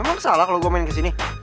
emang salah kalau gue main ke sini